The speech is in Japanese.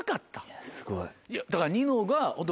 いやすごい。